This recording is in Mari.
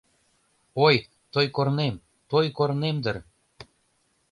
Ой, той корнем, той корнем дыр.